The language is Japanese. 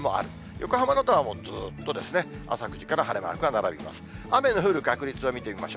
横浜などはもうずーっと朝９時から晴れマークが並びます。